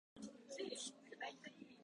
明日はテストがあります。